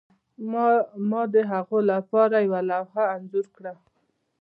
ما د هغوی لپاره یوه لوحه انځور کړه